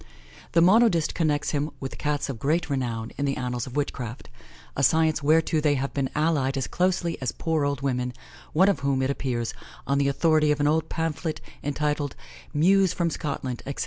The monodist connects him with Cats of great renown in the annals of witchcraft; a science whereto they have been allied as closely as poor old women, one of whom, it appears, on the authority of an old pamphlet, entitled "Mewes from Scotland," etc.